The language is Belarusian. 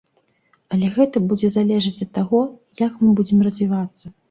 Але гэта будзе залежаць ад таго, як мы будзем развівацца.